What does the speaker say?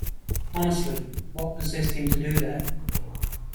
Honestly! What possessed him to do that?